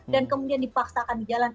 dan kemudian dipaksakan di jalan